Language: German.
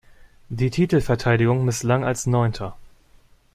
Die Titelverteidigung misslang als Neunter.